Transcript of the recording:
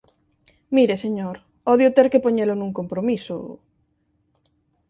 Mire, señor, odio ter que poñelo nun compromiso...